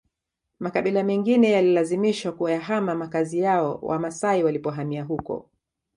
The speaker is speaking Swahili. Makabila mengine yalilazimishwa kuyahama makazi yao Wamasai walipohamia huko